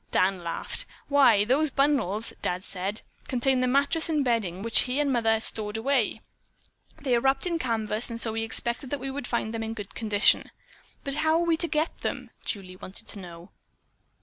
Dan laughed. "Why, those bundles, Dad said, contain the mattress and bedding which he and mother stored away. They are wrapped in canvas and so he expected that we would find them in good condition." "But how are we to get them?" Julie wanted to know.